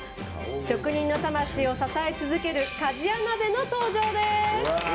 職人の魂を支え続ける鍛冶屋鍋の登場です。